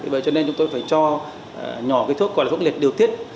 vậy cho nên chúng tôi phải cho nhỏ cái thuốc gọi là khốc liệt điều tiết